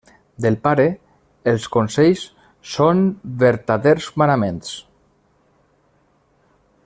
Del pare els consells, són vertaders manaments.